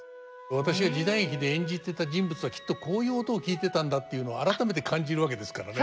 私は時代劇で演じてた人物はきっとこういう音を聴いてたんだっていうのを改めて感じるわけですからね。